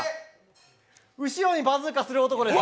後ろにバズーカする男です。